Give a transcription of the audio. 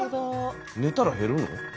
寝たら減るの？